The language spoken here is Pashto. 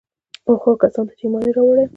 او هغو کسان ته چي ايمان ئې راوړى